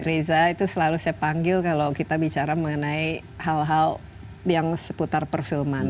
reza itu selalu saya panggil kalau kita bicara mengenai hal hal yang seputar perfilman